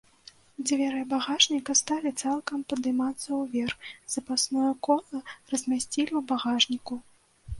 Дзверы багажніка сталі цалкам падымацца ўверх, запасное кола размясцілі ў багажніку.